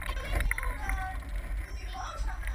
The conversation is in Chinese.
意大利财政卫队是意大利海关及其执法部队的总称。